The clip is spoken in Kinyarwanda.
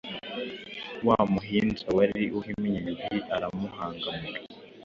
Wa Muhinza wari uhimye, yuhi aramuhangamura.